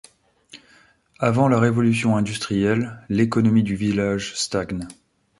Avant la révolution industrielle, l’économie du village stagne.